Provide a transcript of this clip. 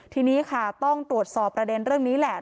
ทีนี้ค่ะต้องตรวจสอบประเด็นเรื่องนี้แหละ